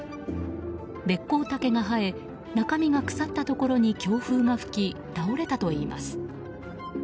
ベッコウタケが生え中身が腐ったところに強風が吹き倒れたといいます。